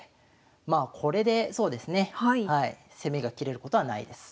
まあこれでそうですね攻めが切れることはないです。